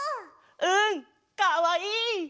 うんかわいい！